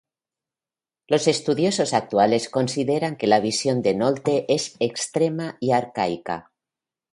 Los estudiosos actuales consideran que la visión de Nolte es extrema y arcaica.